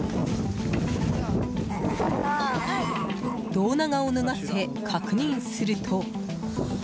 胴長を脱がせ、確認すると。